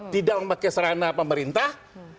tidak memakai sarana pemerintah